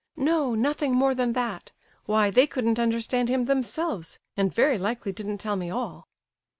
"No—nothing more than that. Why, they couldn't understand him themselves; and very likely didn't tell me all."